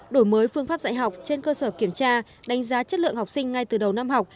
đổi mới phương pháp dạy học trên cơ sở kiểm tra đánh giá chất lượng học sinh ngay từ đầu năm học